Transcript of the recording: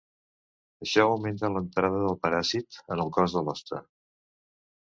Això augmenta l'entrada del paràsit en el cos de l'hoste.